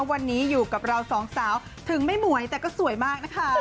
วันนี้อยู่กับเราสองสาวถึงไม่หวยแต่ก็สวยมากนะคะ